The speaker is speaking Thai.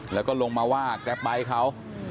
แล้วก็ลงมาว่าแกรปไบท์เขา